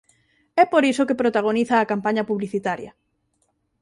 É por iso que protagoniza a campaña publicitaria.